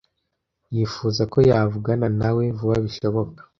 Yifuza ko yavugana nawe vuba bishoboka.